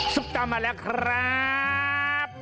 สุปตามาแล้วครับ